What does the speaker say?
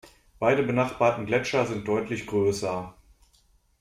Beide benachbarten Gletscher sind deutlich größer.